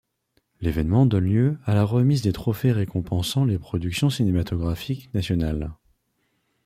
L'événement donne lieu à la remise des trophées récompensant les productions cinématographiques nationales.